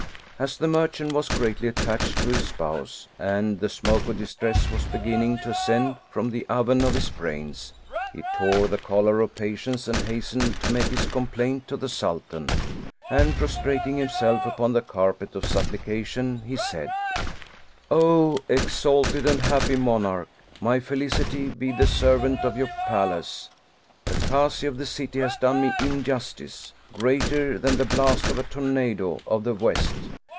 — As the merchant was greatly attached to his spouse, and the smoke of distress was beginning to ascend from the oven of his brains, he tore the collar of patience and has tened to make his complaint to the Sultan, and prostrating himself upon the carpet of supplication he said: " Oh, exalted and happy monarch. May felicity be the servant of your palace. The Kazi of the city has done me injustice. Greater than the blast of a tornado of the west.